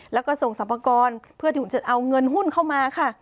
แล้วก็ส่งสรรพากรเพื่อที่จะเอาเงินหุ้นเข้ามาค่ะ